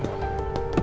setia pak bos